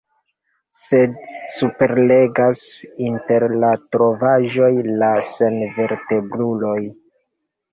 Sed superregas inter la trovaĵoj la senvertebruloj.